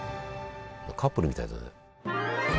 カップルみたいだね。